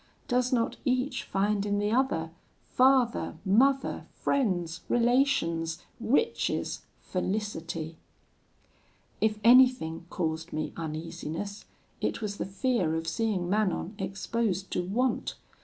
Does not each find in the other, father, mother, friends, relations, riches, felicity? "If anything caused me uneasiness, it was the fear of seeing Manon exposed to want.